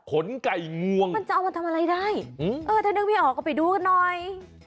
ไก่งวงมันจะเอามาทำอะไรได้เออถ้านึกไม่ออกก็ไปดูกันหน่อย